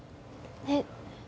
えっ？